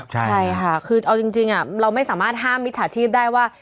ใช่ค่ะคือเอาจริงเราไม่สามารถห้ามมิจฉาชีพได้ว่า